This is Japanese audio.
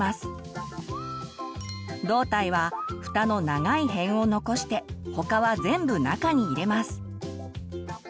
胴体はフタの長い辺を残して他は全部中に入れます。